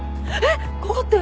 ここって。